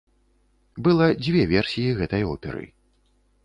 Была дзве версіі гэтай оперы.